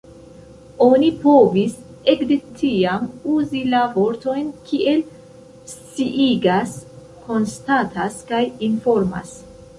Oni povis ekde tiam uzi la vortojn kiel „sciigas“, „konstatas“ kaj „informas“.